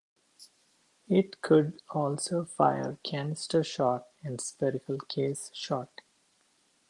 It could also fire canister shot and spherical case shot.